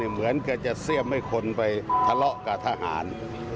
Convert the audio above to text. เหมือนจะเชื่อมไปทะเลาะกับทหาร